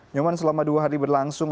nyoman selama dua hari berlangsung